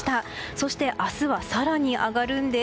そして、明日は更に上がるんです。